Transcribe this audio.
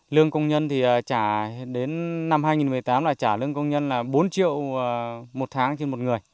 lương công nhân thì trả đến năm hai nghìn một mươi tám là trả lương công nhân là bốn triệu một tháng trên một người